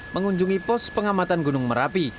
mengunjungi pos pengamatan gunung merapi